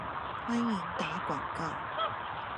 歡迎打廣告